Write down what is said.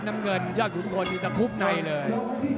น้ำเงินยอดขุนพลนี่ตะคุบในเลย